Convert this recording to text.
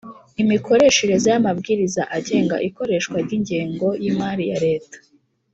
imikoreshereze y'amabwiriza agenga ikoreshwa ry'ingengo y'imali ya leta,